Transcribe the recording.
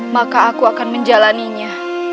maka aku akan menjalannya